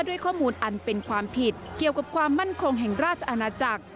ด้วยข้อมูลอันเป็นความผิดเกี่ยวกับความมั่นคงแห่งราชอาณาจักร